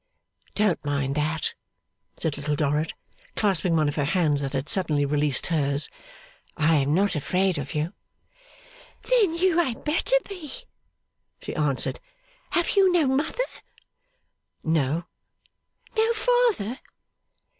'Don't mind that!' said Little Dorrit, clasping one of her hands that had suddenly released hers. 'I am not afraid of you.' 'Then you had better be,' she answered. 'Have you no mother?' 'No.' 'No father?